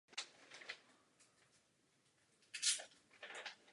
V okolí města jsou četné plantáže cukrové třtiny.